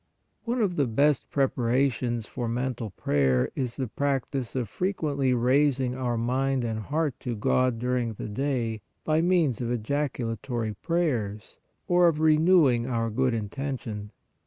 One of the best preparations for mental prayer is the prac tice of frequently raising our mind and heart to God during the day by means of ejaculatory pray ers or of renewing our good intention.